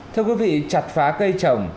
thưa quý vị chặt phá cây trồng